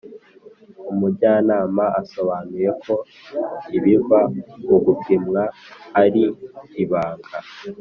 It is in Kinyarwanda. umujyanama asobanuyeko ibiva mu gupimwa ari ibanga,